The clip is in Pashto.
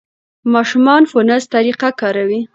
ماشومان فونس طریقه کاروي.